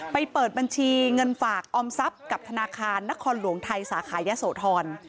เปิดบัญชีเงินฝากออมทรัพย์กับธนาคารนครหลวงไทยสาขายะโสธร